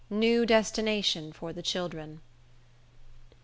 New Destination For The Children.